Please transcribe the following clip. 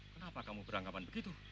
kenapa kamu beranggapan begitu